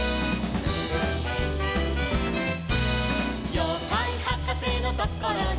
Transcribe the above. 「ようかいはかせのところに」